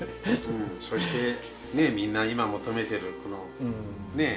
そしてみんな今求めてるねえ